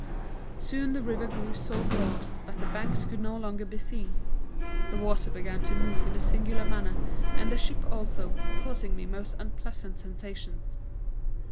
Soon the river grew so broad that the banks could no longer be seen. The water began to move in a singular manner, and the ship also, causing me most unpleasant sensations.